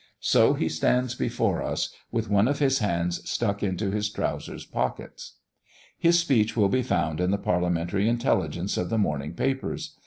So he stands before us, with one of his hands stuck into his trousers' pockets. His speech will be found in the parliamentary intelligence of the morning papers.